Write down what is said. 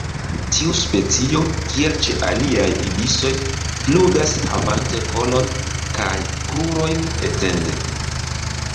Tiu specio, kiel ĉe aliaj ibisoj, flugas havante kolon kaj krurojn etende.